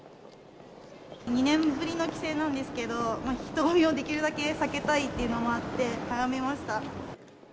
２年ぶりの帰省なんですけど、人混みをできるだけ避けたいっていうのもあって早めました。